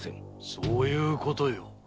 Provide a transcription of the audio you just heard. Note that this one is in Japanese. そういうことよ。